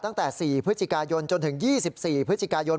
ตั้งแต่๔พฤศจิกายนจนถึง๒๔พฤศจิกายน